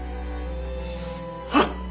はっ！